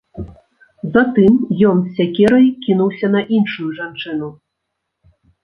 Затым ён з сякерай кінуўся на іншую жанчыну.